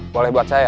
boleh buat saya